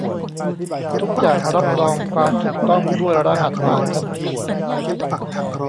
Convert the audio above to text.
ทุกอย่างรับรองความถูกต้องด้วยรหัสผ่านทันที